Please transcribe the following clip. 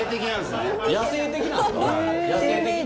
・野性的なんすね。